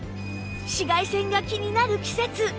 紫外線が気になる季節